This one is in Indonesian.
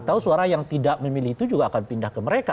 atau suara yang tidak memilih itu juga akan pindah ke mereka